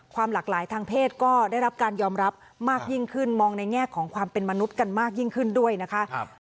หลากหลายทางเพศก็ได้รับการยอมรับมากยิ่งขึ้นมองในแง่ของความเป็นมนุษย์กันมากยิ่งขึ้นด้วยนะคะ